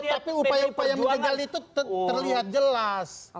tapi upaya upaya menjegal itu terlihat jelas